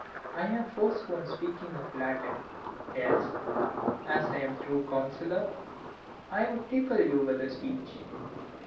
I have forsworn speaking of Latin, else, as I am true counsellor, I'd tickle you with a speech.